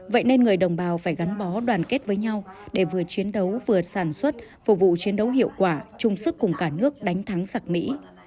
vậy nên người đồng bào phải gắn bó đoàn kết với nhau để vừa chiến đấu vừa sản xuất phục vụ chiến đấu hiệu quả chung sức cùng cả nước đánh thắng giặc mỹ